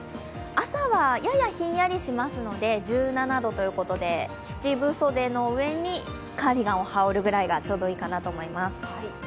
朝はややひんやりしますので、１７度ということで七分袖の上にカーディガンを羽織るぐらいがちょうどいいかなと思います。